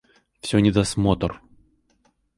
Всё недосмотр!